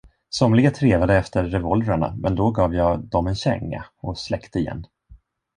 Somliga trevade efter revolvrarna, men då gav jag dom en känga och släckte igen.